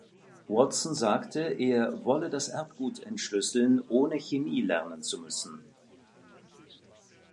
Watson sagte, er "wolle das Erbgut entschlüsseln, ohne Chemie lernen zu müssen.